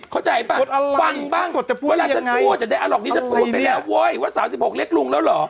เข้าใจป่ะฟังบ้างเวลาฉันพูดจะได้อัลกนี้ฉันพูดไปแล้วว่า๓๖เรียกลุงแล้วหรอ